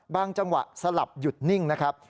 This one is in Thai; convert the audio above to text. จังหวะสลับหยุดนิ่งนะครับ